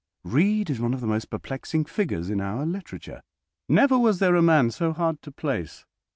Reade is one of the most perplexing figures in our literature. Never was there a man so hard to place.